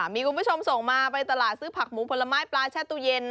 มีคุณผู้ชมส่งมาไปตลาดซื้อผักหมูผลไม้ปลาแช่ตู้เย็น